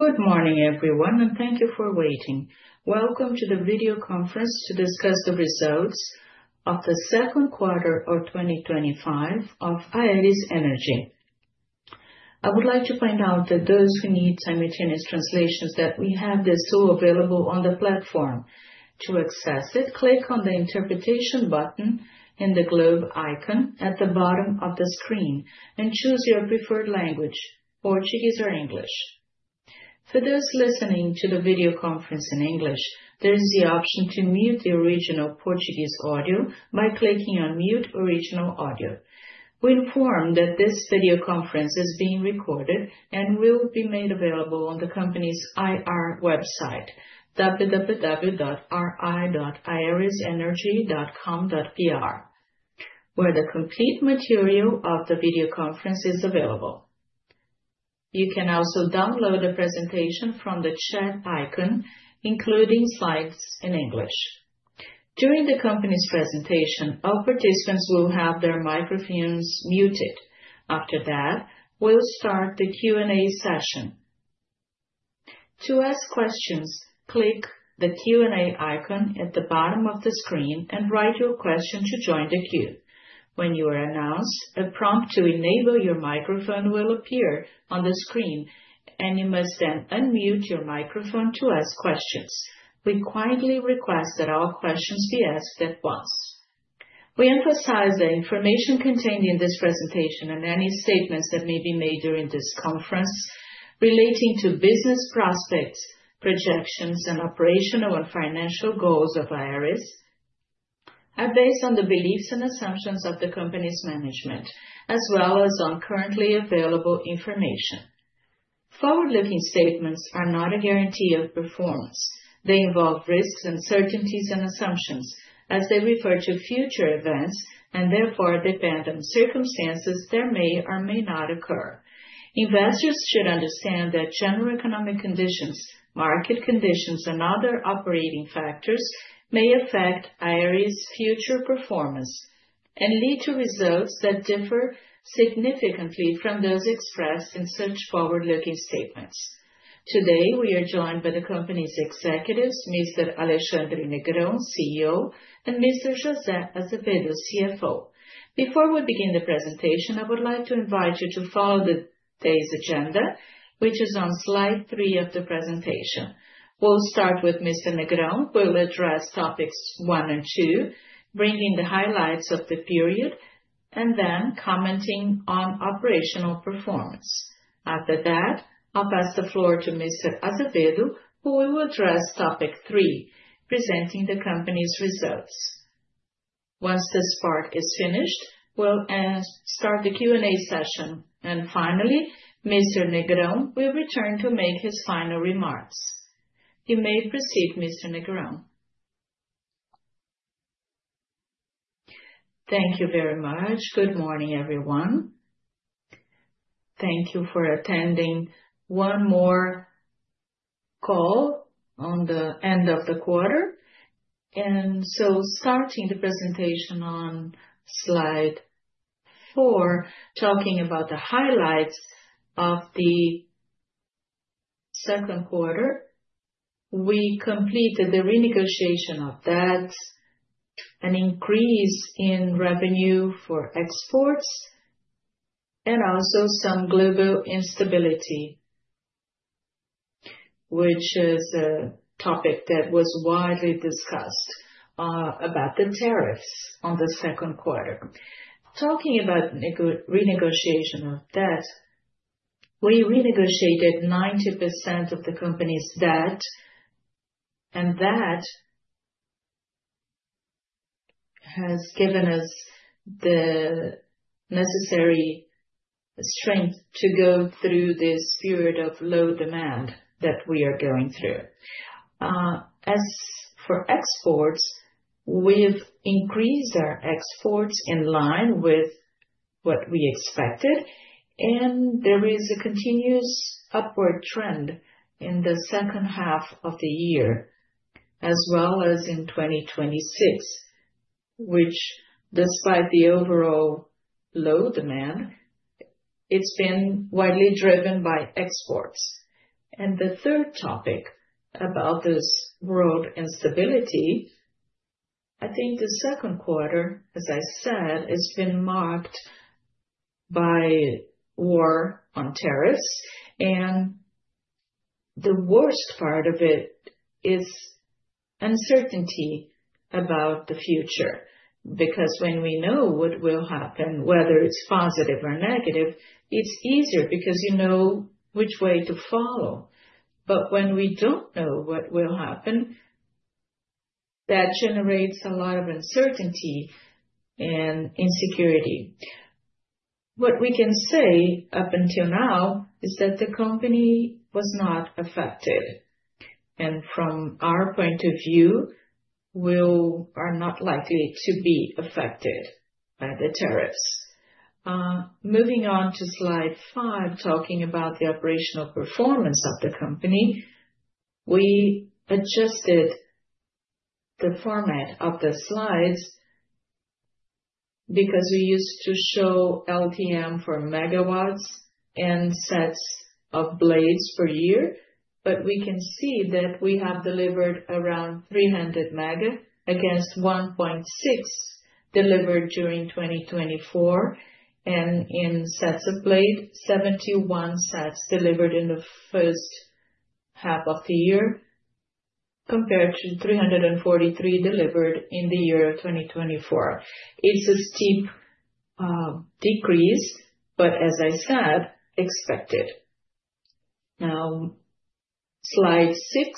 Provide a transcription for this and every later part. Good morning, everyone, and thank you for waiting. Welcome to the video conference to discuss the Results of the Second Quarter of 2025 of Aeris Energy. I would like to point out that those who need simultaneous translations, we have the tool available on the platform. To access it, click on the interpretation button in the globe icon at the bottom of the screen and choose your preferred language: Portuguese or English. For those listening to the video conference in English, there is the option to mute the original Portuguese audio by clicking on "Mute Original Audio." We inform that this video conference is being recorded and will be made available on the company's IR website, www.ri.aerisenergy.com.br, where the complete material of the video conference is available. You can also download the presentation from the chat icon, including slides in English. During the company's presentation, all participants will have their microphones muted. After that, we'll start the Q&A session. To ask questions, click the Q&A icon at the bottom of the screen and write your question to join the queue. When you are announced, a prompt to enable your microphone will appear on the screen, and you must then unmute your microphone to ask questions. We kindly request that all questions be asked at once. We emphasize that information contained in this presentation and any statements that may be made during this conference relating to business prospects, projections, and operational and financial goals of Aeris are based on the beliefs and assumptions of the company's management, as well as on currently available information. Forward-looking statements are not a guarantee of performance. They involve risks, uncertainties, and assumptions as they refer to future events and therefore depend on the circumstances that may or may not occur. Investors should understand that general economic conditions, market conditions, and other operating factors may affect Aeris' future performance and lead to results that differ significantly from those expressed in such forward-looking statements. Today, we are joined by the company's executives, Mr. Alexandre Negrão, CEO, and Mr. José Azevedo, CFO. Before we begin the presentation, I would like to invite you to follow today's agenda, which is on slide three of the presentation. We'll start with Mr. Negrão. We'll address topics one and two, bringing the highlights of the period, and then commenting on operational performance. After that, I'll pass the floor to Mr. Azevedo, who will address topic three, presenting the company's results. Once this part is finished, we'll start the Q&A session. Finally, Mr. Negrão will return to make his final remarks. You may proceed, Mr. Negrão. Thank you very much. Good morning, everyone. Thank you for attending one more call on the end of the quarter. Starting the presentation on slide four, talking about the highlights of the second quarter, we completed the renegotiation of debts, an increase in revenue for exports, and also some global instability, which is a topic that was widely discussed, about the tariffs on the second quarter. Talking about renegotiation of debt, we renegotiated 90% of the company's debt, and that has given us the necessary strength to go through this period of low demand that we are going through. As for exports, we've increased our exports in line with what we expected, and there is a continuous upward trend in the second half of the year, as well as in 2026, which, despite the overall low demand, it's been widely driven by exports. The third topic about this world instability, I think the second quarter, as I said, has been marked by war on tariffs, and the worst part of it is uncertainty about the future. Because when we know what will happen, whether it's positive or negative, it's easier because you know which way to follow. When we don't know what will happen, that generates a lot of uncertainty and insecurity. What we can say up until now is that the company was not affected. From our point of view, we are not likely to be affected by the tariffs. Moving on to slide five, talking about the operational performance of the company, we adjusted the format of the slides because we used to show LTM for megawatts and sets of blades per year. We can see that we have delivered around 300 MW against 1.6 delivered during 2024. In sets of blades, 71 sets delivered in the first half of the year compared to 343 MW delivered in the year of 2024. It's a steep decrease, but as I said, expected. Now, slide six,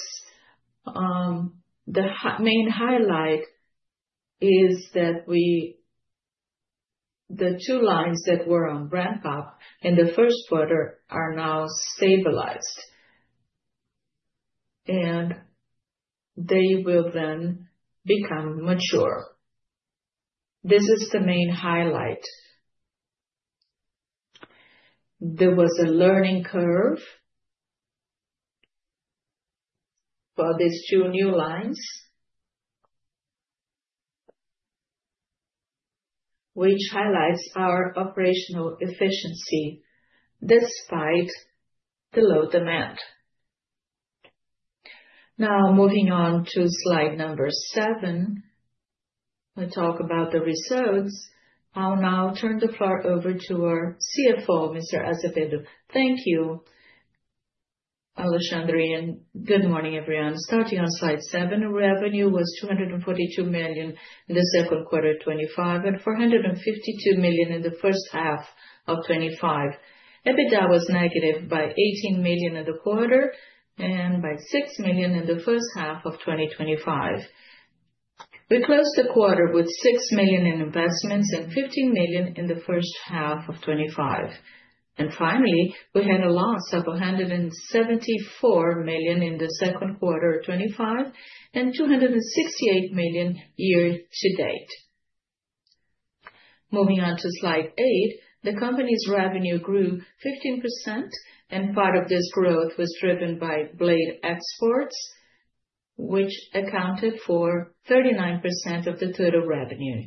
the main highlight is that the two lines that were on ramp-up in the first quarter are now stabilized, and they will then become mature. This is the main highlight. There was a learning curve for these two new lines, which highlights our operational efficiency despite the low demand. Now, moving on to slide number seven, I'll talk about the results. I'll now turn the floor over to our CFO, Mr. Azevedo. Thank you, Alexandre. Good morning, everyone. Starting on slide seven, revenue was 242 million in the second quarter of 2025 and 452 million in the first half of 2025. EBITDA was negative by 18 million in the quarter and by 6 million in the first half of 2025. We closed the quarter with 6 million in investments and 15 million in the first half of 2025. Finally, we had a loss of 174 million in the second quarter of 2025 and 268 million year to date. Moving on to slide eight, the company's revenue grew 15%, and part of this growth was driven by blade exports, which accounted for 39% of the total revenue.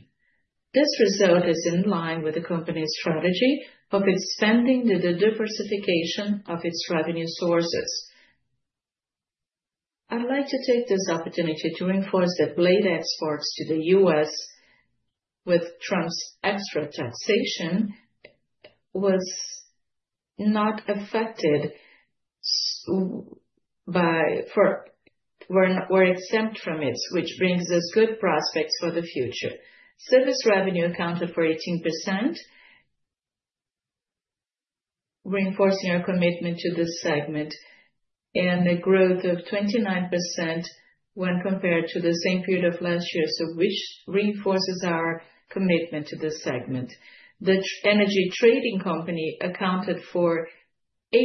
This result is in line with the company's strategy of expanding the diversification of its revenue sources. I'd like to take this opportunity to reinforce that blade exports to the U.S., with Trump's extra taxation, were not affected by or were exempt from it, which brings us good prospects for the future. Service revenue accounted for 18%, reinforcing our commitment to this segment, and a growth of 29% when compared to the same period of last year, which reinforces our commitment to this segment. The energy trading company accounted for 8%.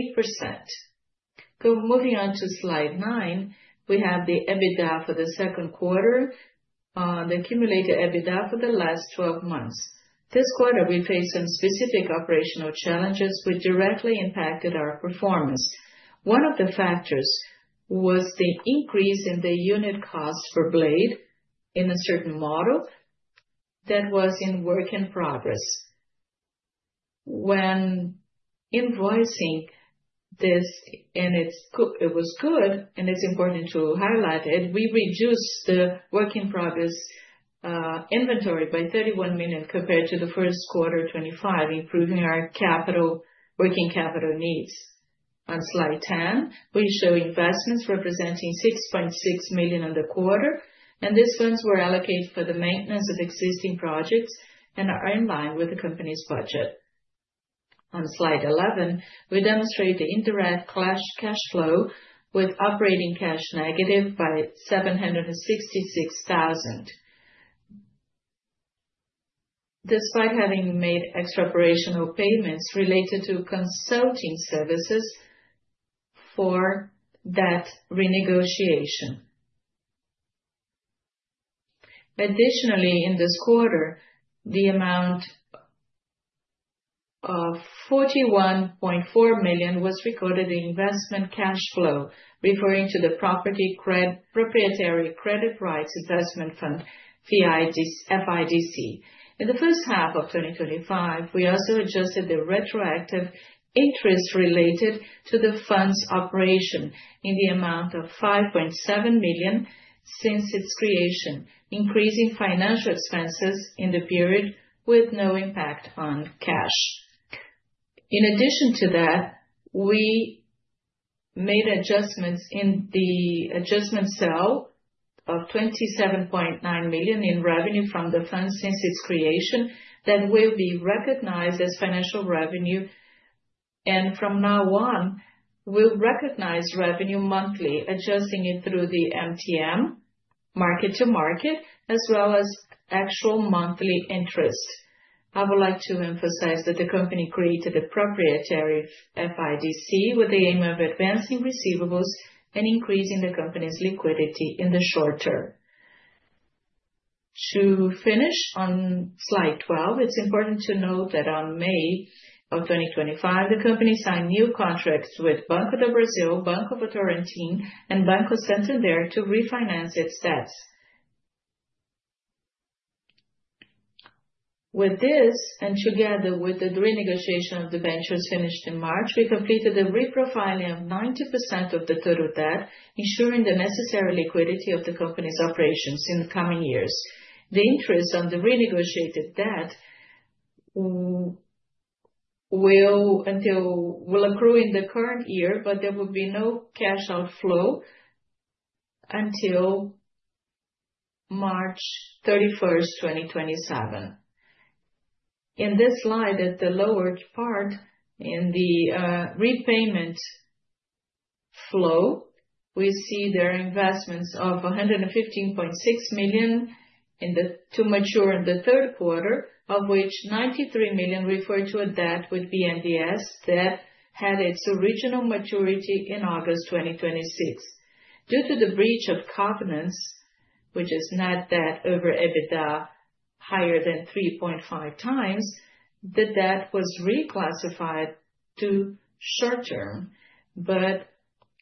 Moving on to slide nine, we have the EBITDA for the second quarter and the accumulated EBITDA for the last 12 months. This quarter, we faced some specific operational challenges which directly impacted our performance. One of the factors was the increase in the unit cost for blade in a certain model that was in work-in-progress. When invoicing this, and it's important to highlight it, we reduced the work-in-progress inventory by 31 million compared to the first quarter of 2025, improving our working capital needs. On slide 10, we show investments representing 6.6 million in the quarter, and these funds were allocated for the maintenance of existing projects and are in line with the company's budget. On slide 11, we demonstrate the indirect cash flow with operating cash negative by 766,000, despite having made extra operational payments related to consulting services for that renegotiation. Additionally, in this quarter, the amount of 41.4 million was recorded in investment cash flow, referring to the [Proprietary credit price investment funds] FIDC. In the first half of 2025, we also adjusted the retroactive interest related to the fund's operation in the amount of $5.7 million since its creation, increasing financial expenses in the period with no impact on cash. In addition to that, we made adjustments in the adjustment sale of $27.9 million in revenue from the fund since its creation that will be recognized as financial revenue. From now on, we'll recognize revenue monthly, adjusting it through the MTM, market-to-market, as well as actual monthly interest. I would like to emphasize that the company created the proprietary FIDC with the aim of advancing receivables and increasing the company's liquidity in the short-term. To finish on slide 12, it's important to note that in May of 2025, the company signed new contracts with Banco do Brasil, Banco Votorantim, and Banco Santander to refinance its debts. With this, and together with the renegotiation of the bench that was finished in March, we completed the reprofiling of 90% of the total debt, ensuring the necessary liquidity of the company's operations in the coming years. The interest on the renegotiated debt will accrue in the current year, but there will be no cash outflow until March 31, 2027. In this slide, at the lower part in the repayment flow, we see there are investments of 115.6 million to mature in the third quarter, of which 93 million referred to a debt with BNDES that had its original maturity in August 2026. Due to the breach of covenants, which is net debt over EBITDA higher than 3.5x, the debt was reclassified to short-term.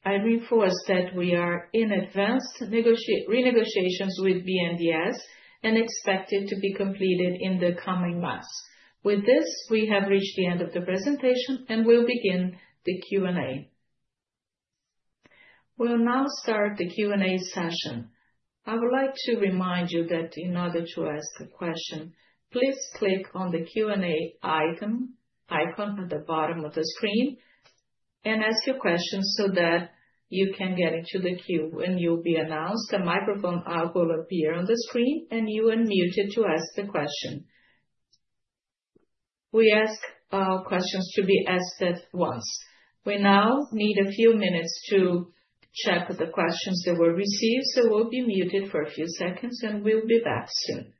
I reinforce that we are in advanced renegotiations with BNDES and expect it to be completed in the coming months. With this, we have reached the end of the presentation and will begin the Q&A. We'll now start the Q&A session. I would like to remind you that in order to ask a question, please click on the Q&A icon at the bottom of the screen and ask your question so that you can get into the queue when you'll be announced. A microphone will appear on the screen and you are unmuted to ask the question. We ask all questions to be asked at once. We now need a few minutes to check with the questions that were received, so we'll be muted for a few seconds and we'll be back soon.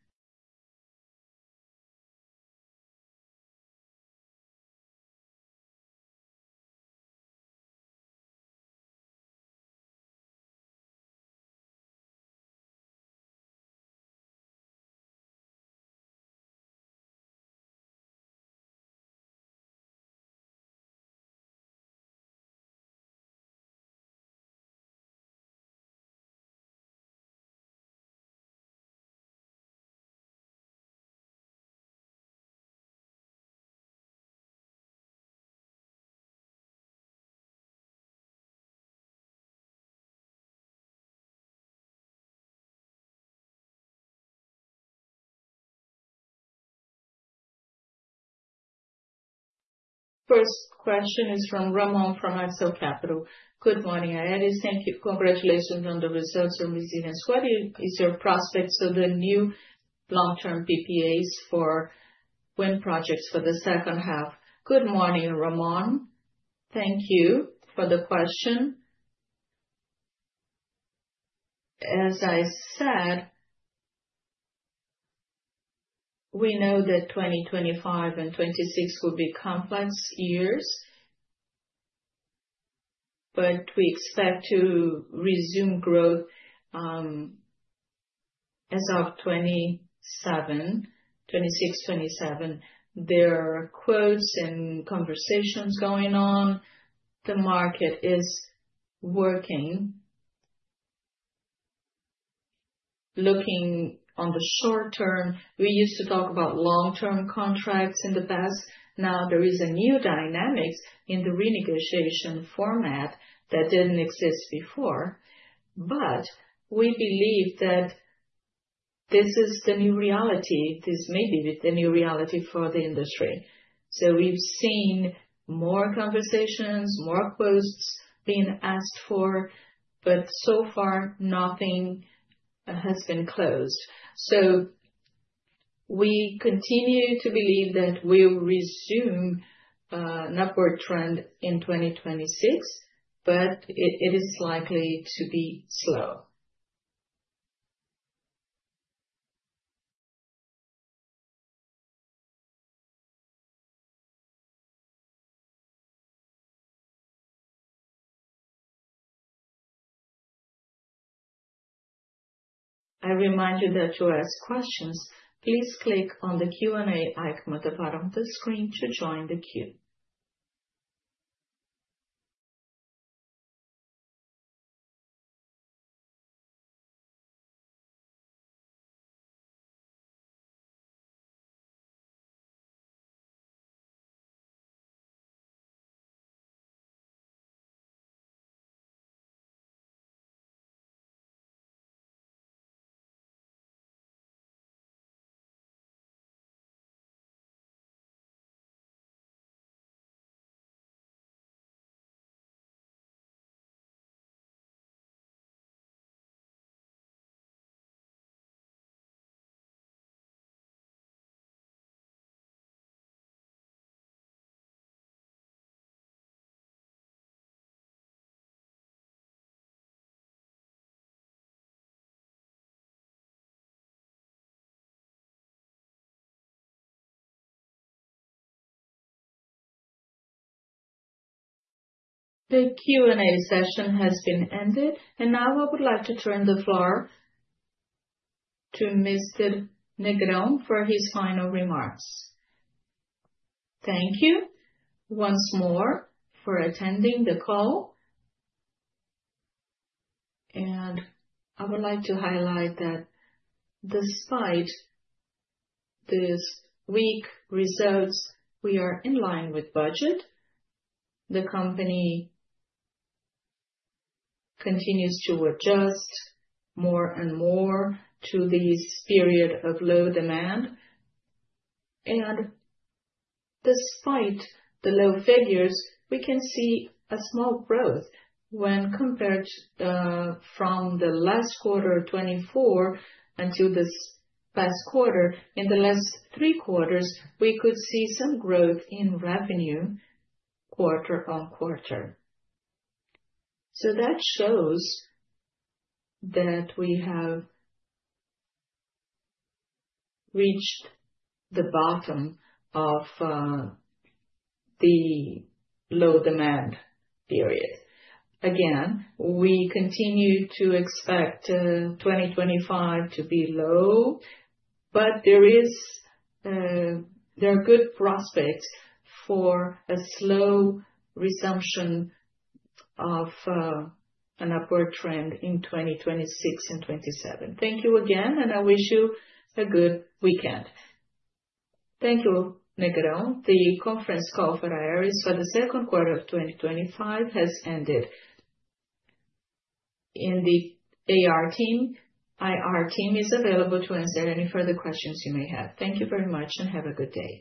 First question is from [Ramon from Axo Capital]. Good morning, Aeris. Thank you. Congratulations on the results from [Resilience 20]. These are prospects of the new long-term PPAs for wind projects for the second half. Good morning, Ramon. Thank you for the question. As I said, we know that 2025 and 2026 will be complex years, but we expect to resume growth as of 2027, 2026-2027. There are quotes and conversations going on. The market is working. Looking on the short-term, we used to talk about long-term contracts in the past. Now there is a new dynamic in the renegotiation format that didn't exist before. We believe that this is the new reality. This may be the new reality for the industry. We've seen more conversations, more quotes being asked for, but so far, nothing has been closed. We continue to believe that we'll resume an upward trend in 2026, but it is likely to be slow. I remind you that to ask questions, please click on the Q&A icon at the bottom of the screen to join the queue. The Q&A session has been ended, and now I would like to turn the floor to Mr. Negrão for his final remarks. Thank you once more for attending the call. I would like to highlight that despite these weak results, we are in line with budget. The company continues to work just more and more to this period of low demand. Despite the low figures, we can see a small growth when compared from the last quarter of 2024 until this past quarter. In the last three quarters, we could see some growth in revenue quarter on quarter. That shows that we have reached the bottom of the low demand period. We continue to expect 2025 to be low, but there are good prospects for a slow resumption of an upward trend in 2026 and 2027. Thank you again, and I wish you a good weekend. Thank you, Negrão.The conference call for Aeris for the second quarter of 2025 has ended. The IR team is available to answer any further questions you may have. Thank you very much and have a good day.